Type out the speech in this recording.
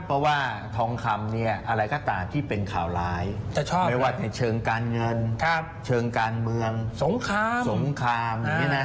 เพราะว่าทองคำเนี่ยอะไรก็ตามที่เป็นข่าวร้ายไม่ว่าในเชิงการเงินเชิงการเมืองสงครามอย่างนี้นะ